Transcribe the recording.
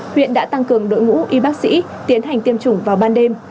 huyện đã tăng cường đội ngũ y bác sĩ tiến hành tiêm chủng vào ban đêm